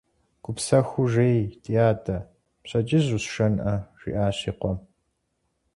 – Гупсэхуу жей, ди адэ, пщэдджыжь усшэнкъэ, – жиӏащ и къуэм.